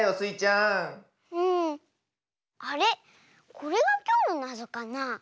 これがきょうのなぞかな。